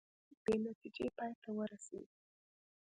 بې نتیجې پای ته ورسیدې